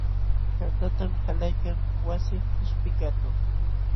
Shaqtatam qalaykan wasi qishpiykaqćhu.